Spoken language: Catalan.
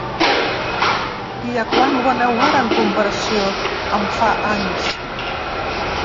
I a quant ho veneu ara, en comparació amb fa anys?